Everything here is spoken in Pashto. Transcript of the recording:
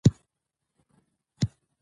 مېلې د زدهکړي یوه غیري مستقیمه لاره ده.